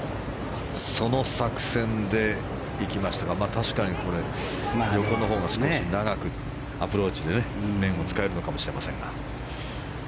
その作戦で行きましたが確かに、これ横のほうが少し長くアプローチの面を使えるのかもしれませんが。